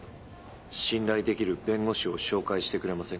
信頼できる弁護士を紹介してくれませんか。